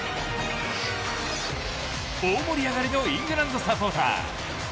大盛り上がりのイングランドサポーター。